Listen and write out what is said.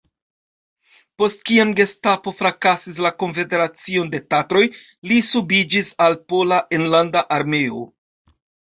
Post kiam gestapo frakasis la Konfederacion de Tatroj li subiĝis al Pola Enlanda Armeo.